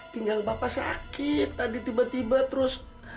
tinggal bapak sakit tadi tiba tiba terus